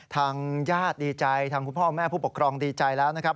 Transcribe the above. ทางญาติดีใจทางคุณพ่อแม่ผู้ปกครองดีใจแล้วนะครับ